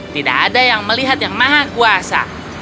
tidak ada yang melihat yang maha kuasa